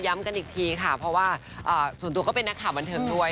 กันอีกทีค่ะเพราะว่าส่วนตัวก็เป็นนักข่าวบันเทิงด้วย